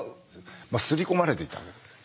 刷り込まれていた。